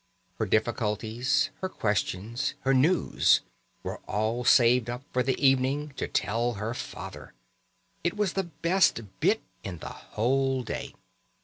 Her difficulties, her questions, her news were all saved up for the evening to tell her father. It was the best bit in the whole day.